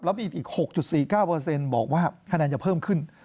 แล้วมีอีก๖๔๙บอกว่าคะแนนจะเพิ่มขึ้น